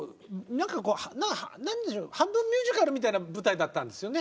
何でしょう半分ミュージカルみたいな舞台だったんですよね。